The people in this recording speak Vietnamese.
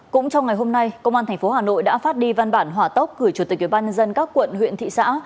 cũng trong ngày hôm nay công an thành phố hà nội đã phát đi văn bản hỏa tốc gửi chủ tịch ubnd các quận huyện thị xã